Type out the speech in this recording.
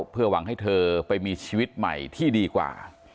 เพื่อหวังให้เธอไปมีชีวิตใหม่ที่ดีกว่า